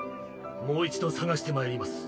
もう一度捜してまいります。